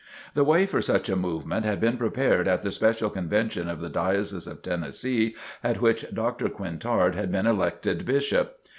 The way for such a movement had been prepared at the special convention of the Diocese of Tennessee at which Dr. Quintard had been elected Bishop.